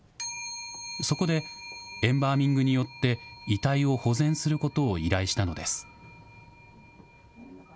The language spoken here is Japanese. そこで、エンバーミングによって、遺体を保全することを依頼したのです。